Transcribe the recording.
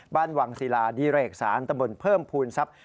บ้านวังศิลาดิเรกศาลตะบนเพิ่มภูมิทรัพย์